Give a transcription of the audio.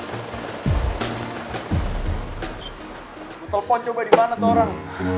gue telpon coba dimana tuh orang